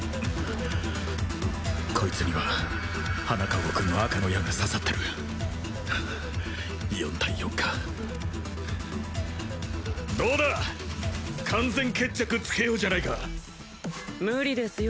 こいつには花籠君の赤の矢が刺さってるはあ４対４かどうだ完全決着つけようじゃないか無理ですよ